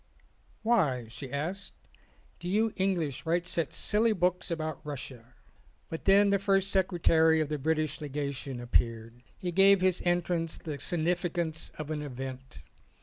"Why," she asked, "do you English write such silly books about Russia?" But then the first secretary of the British Lega tion appeared. He gave his entrance the signifi cance of an event.